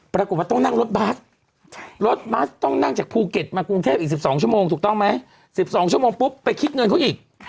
ปรากฏว่าต้องนั่งรถบัสรถบัสต้องนั่งจากภูเก็ตมากรุงเทพอีก๑๒ชั่วโมงถูกต้องไหม๑๒ชั่วโมงปุ๊บไปคิดเงินเขาอีก